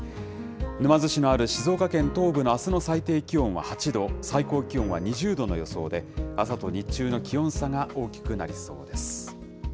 沼津市のある静岡県東部のあすの最低気温は８度、最高気温は２０度の予想で、朝と日中の気温差が大きくなりそうです。